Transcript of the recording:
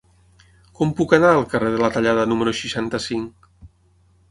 Com puc anar al carrer de la Tallada número seixanta-cinc?